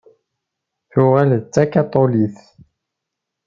Tuɣal d takaṭulit.